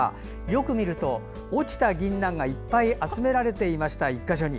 よく見ると、落ちたぎんなんがいっぱい集められていました。